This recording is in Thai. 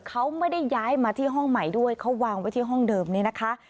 เขาไม่ได้ย้ายมาที่ห้องใหม่ด้วยเขาวางไว้ที่ห้องเดิมนี้นะคะ